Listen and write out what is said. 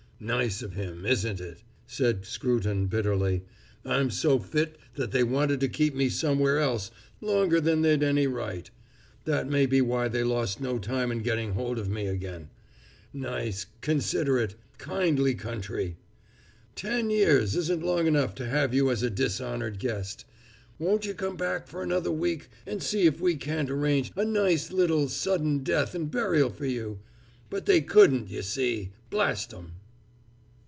"Nice of him, isn't it?" said Scruton bitterly. "I'm so fit that they wanted to keep me somewhere else longer than they'd any right; that may be why they lost no time in getting hold of me again. Nice, considerate, kindly country! Ten years isn't long enough to have you as a dishonored guest. 'Won't you come back for another week, and see if we can't arrange a nice little sudden death and burial for you?' But they couldn't you see, blast 'em!"